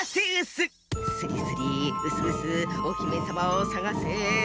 スリスリウスウスおひめさまをさがせ！